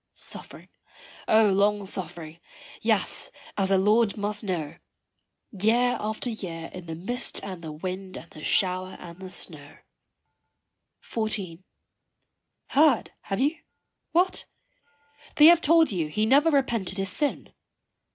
Suffering O long suffering yes, as the Lord must know, Year after year in the mist and the wind and the shower and the snow. XIV. Heard, have you? what? they have told you he never repented his sin.